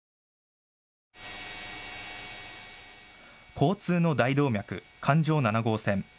交通の大動脈、環状７号線。